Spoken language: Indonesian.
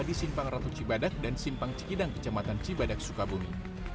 di simpang ratu cibadak dan simpang cikidang kecamatan cibadak sukabumi